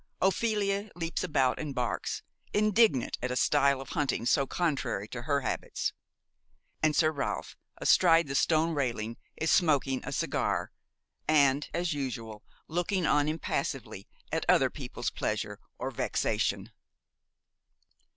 Ophelia leaps about and barks, indignant at a style of hunting so contrary to her habits; and Sir Ralph, astride the stone railing, is smoking a cigar and, as usual, looking on impassively at other people's pleasure or vexation.